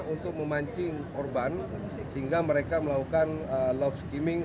untuk memancing korban sehingga mereka melakukan love skimming